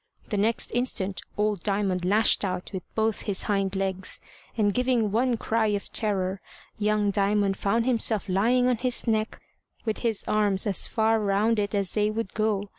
The next instant old Diamond lashed out with both his hind legs, and giving one cry of terror young Diamond found himself lying on his neck, with his arms as far round it as they would go.